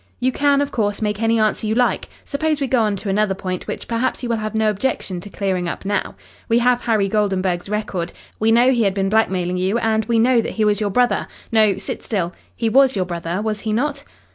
"You can, of course, make any answer you like. Suppose we go on to another point which perhaps you will have no objection to clearing up now. We have Harry Goldenburg's record. We know he had been blackmailing you, and we know that he was your brother. No; sit still. He was your brother, was he not?"